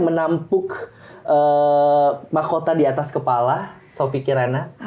menempuk makota di atas kepala sofi kirana